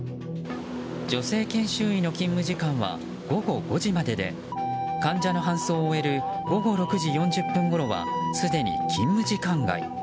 女性研修医の勤務時間は午後５時までで患者の搬送を終える午後６時４０分ごろはすでに勤務時間外。